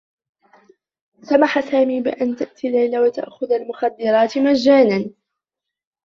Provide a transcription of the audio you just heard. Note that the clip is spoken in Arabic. سمح سامي بأن تأتي ليلى وتأخذ المخدّرات مجانًا.